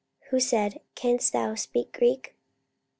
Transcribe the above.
Who said, Canst thou speak Greek?